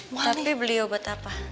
tapi beli obat apa